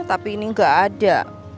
tapi ini gak ada